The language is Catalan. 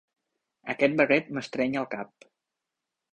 Aquest barret m'estreny el cap.